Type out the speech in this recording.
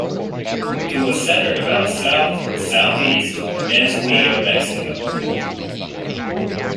It was centered about south-southeast of Manzanillo, Mexico.